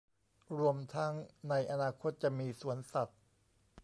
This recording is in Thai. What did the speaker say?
รวมทั้งในอนาคตจะมีสวนสัตว์